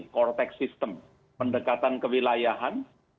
cortex system pendekatan kewilayahan